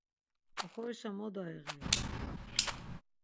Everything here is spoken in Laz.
Oxorişa moda iği?